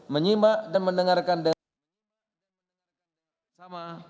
menyimak dan mendengarkan dengan